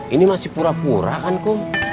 ini masih pura pura kan kok